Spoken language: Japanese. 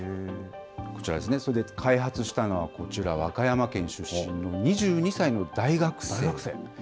こちらですね、開発したのは、こちら、和歌山県出身の２２歳の大学生。